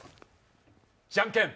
じゃんけん。